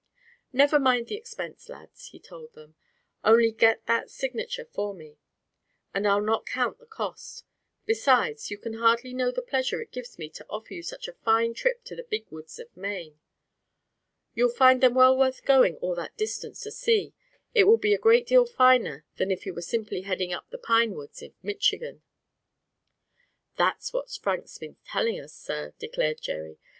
"Never mind the expense, lads," he told them; "only get that signature for me, and I'll not count the cost. Besides, you can hardly know the pleasure it gives me to offer you such a fine trip into the Big Woods of Maine. You'll find them well worth going all that distance to see. It will be a great deal finer than if you were simply heading up into the pine woods of Michigan." "That's what Frank's been telling us, sir," declared Jerry.